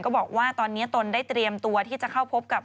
บอกว่าตอนนี้ตนได้เตรียมตัวที่จะเข้าพบกับ